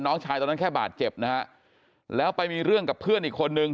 น้องชายตอนนั้นแค่บาดเจ็บนะฮะแล้วไปมีเรื่องกับเพื่อนอีกคนนึง